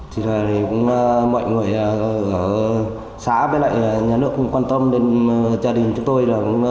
thì là mọi người ở xã với lại nhà nước cũng quan tâm đến gia đình chúng tôi